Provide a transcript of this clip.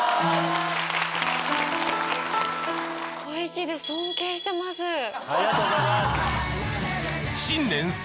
おいしいです。